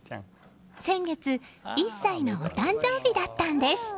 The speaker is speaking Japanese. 先月１歳のお誕生日だったんです。